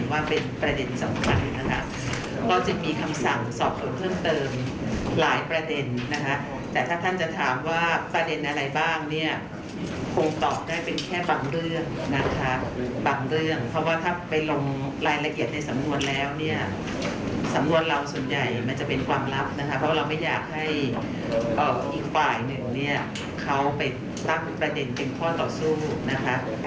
ว่าประเด็นอะไรบ้างเนี่ยคงตอบได้เป็นแค่บางเรื่องนะคะบางเรื่องเพราะว่าถ้าไปลงรายละเอียดในสำนวนแล้วเนี่ยสำนวนเราส่วนใหญ่มันจะเป็นความลับนะคะเพราะเราไม่อยากให้อีกฝ่ายหนึ่งเนี่ยเขาไปตั้งประเด็นเป็นข้อต่อสู้นะคะ